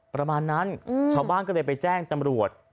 ประมาณนั้นชาวบ้านก็เลยไปแจ้งตำรวจ